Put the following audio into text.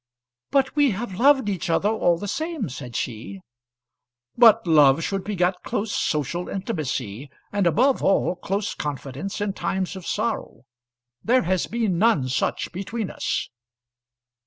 "But we have loved each other all the same," said she. "But love should beget close social intimacy, and above all close confidence in times of sorrow. There has been none such between us."